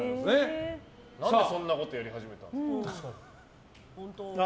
何でそんなことやり始めたの？